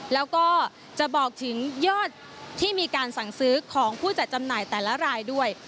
แล้วก็จะบอกถึงยอดที่มีการสั่งซื้อของผู้จัดจำหน่ายแต่ละรายด้วย